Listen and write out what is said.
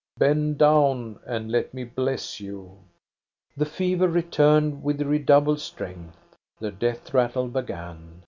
Bend down and let me bless you!" The fever returned with redoubled strength. The death rattle began.